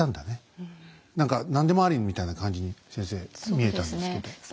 何か何でもありみたいな感じに先生見えたんですけど。